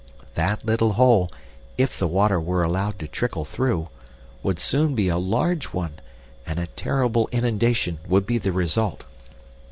That little hole, if the water were allowed to trickle through, would soon be a large one, and a terrible inundation would be the result.